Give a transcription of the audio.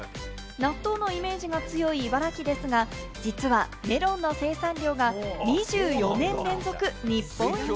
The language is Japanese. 納豆のイメージが強い茨城ですが、実はメロンの生産量が２４年連続日本一！